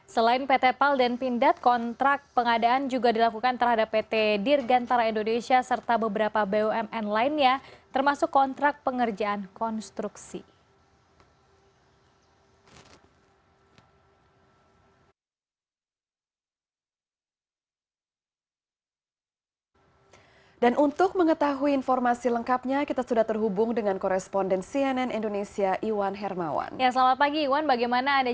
selain pt pal dan pindad kontrak pengadaan juga dilakukan terhadap pt dirgantara indonesia serta beberapa bumn lainnya termasuk kontrak pengerjaan konstruksi